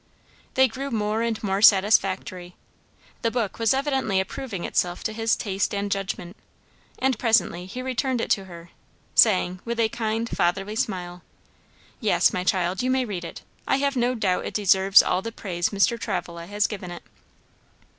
They grew more and more satisfactory; the book was evidently approving itself to his taste and judgment, and presently he returned it to her, saying, with a kind fatherly smile, "Yes, my child, you may read it. I have no doubt it deserves all the praise Mr. Travilla has given it."